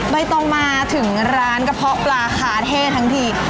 ใบตองมาถึงร้านกระเพาะปลาคาเท่ทั้งที